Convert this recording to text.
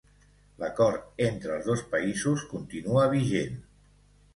L'acord entre els dos països continua vigent.